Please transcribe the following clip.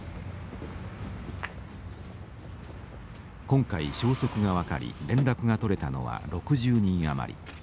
今回消息が分かり連絡が取れたのは６０人余り。